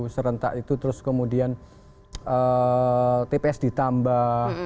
serentak itu terus kemudian tps ditambah